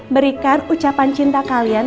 berikan ucapan cinta kalian